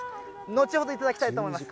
後ほど頂きたいと思います。